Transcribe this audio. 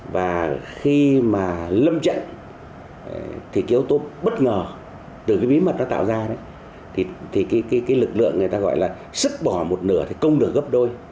và khi mà lâm chạy thì cái yếu tố bất ngờ từ cái bí mật nó tạo ra đấy thì cái lực lượng người ta gọi là sức bỏ một nửa thì công được gấp đôi